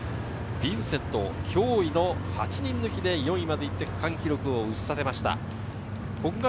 ヴィンセント、驚異の８人抜きで４位まで行って、区間記録を打ち立てました。